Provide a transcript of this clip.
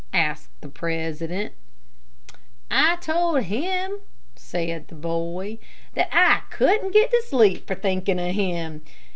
asked the president. "I told him," said the boy, "that I couldn't get to sleep for thinking of him.